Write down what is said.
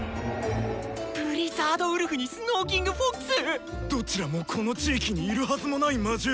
「ブリザードウルフ」に「スノーキングフォックス」⁉どちらもこの地域にいるはずもない魔獣。